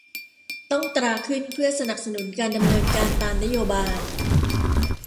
ต้องตราขึ้นเพื่อสนับสนุนการดำเนินการตามนโยบาย